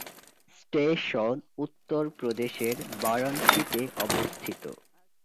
Station উত্তর প্রদেশের বারাণসীতে অবস্থিত।